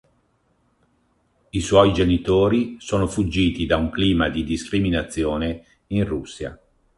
I suoi genitori sono fuggiti da un clima di discriminazione in Russia.